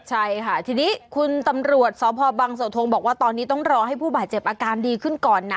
ใช่ค่ะทีนี้คุณตำรวจสพบังเสาทงบอกว่าตอนนี้ต้องรอให้ผู้บาดเจ็บอาการดีขึ้นก่อนนะ